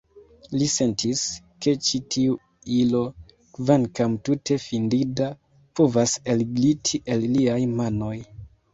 Li sentis, ke ĉi tiu ilo, kvankam tute fidinda, povas elgliti el liaj manoj.